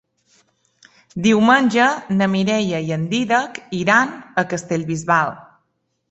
Diumenge na Mireia i en Dídac iran a Castellbisbal.